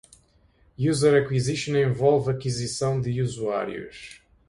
User Acquisition envolve aquisição de usuários.